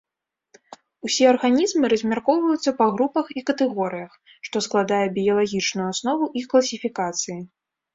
Усе арганізмы размяркоўваюцца па групах і катэгорыях, што складае біялагічную аснову іх класіфікацыі.